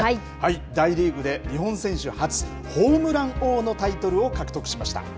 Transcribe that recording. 大リーグで日本選手初、ホームラン王のタイトルを獲得しました。